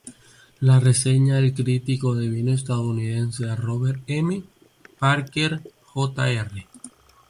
La reseña del crítico de vino estadounidense Robert M. Parker, Jr.